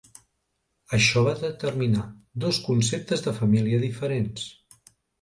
Això va determinar dos conceptes de família diferents.